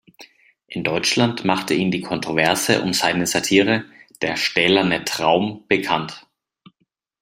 In Deutschland machte ihn die Kontroverse um seine Satire Der stählerne Traum bekannt.